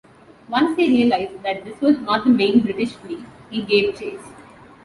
Once he realised that this was not the main British fleet, he gave chase.